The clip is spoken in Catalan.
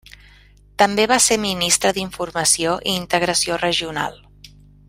També va ser Ministre d'Informació i Integració Regional.